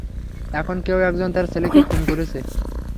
এখন কেউ একজন তার ছেলেকে খুন করেছে।